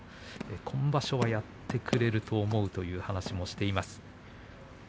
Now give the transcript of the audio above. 今場所はやってくれると思うと話しています。